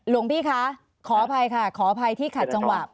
รอมพี่ค่ะขออภัยค่ะขออภัยที่ขัดกระจ่งหวัด